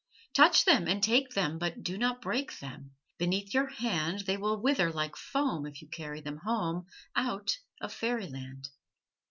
Touch them and take them, But do not break them! Beneath your hand They will wither like foam If you carry them home Out of fairy land.